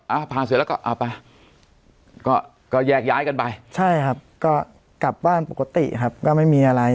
อ่าพาเสร็จแล้วก็เอาไปก็ก็แยกย้ายกันไปใช่ครับก็กลับบ้านปกติครับก็ไม่มีอะไร